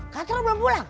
katra belum pulang